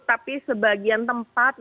tapi sebagian tempat ya